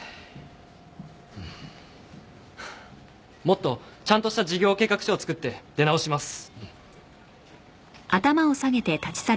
もっとちゃんとした事業計画書を作って出直します。